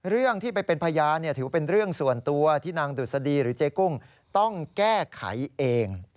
เรื่องที่ไปเป็นพยานถือว่าเป็นเรื่องส่วนตัวที่นางดุษฎีหรือเจ๊กุ้งต้องแก้ไขเอง